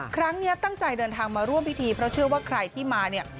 ครั้งนี้ตั้งใจเดินทางมาร่วมพิธีเพราะเชื่อว่าใครที่มาเนี่ย